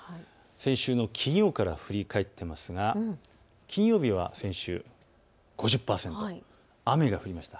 先週の金曜から振り返って見ていますが金曜日は５０％、雨が降りました。